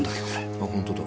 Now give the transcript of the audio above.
あホントだ。